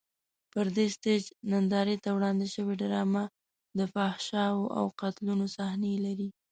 پر دغه سټېج نندارې ته وړاندې شوې ډرامه د فحاشیو او قتلونو صحنې لري.